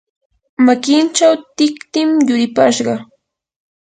makinchaw tiktim yuripashqa.